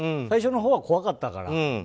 最初のほうは怖かったから。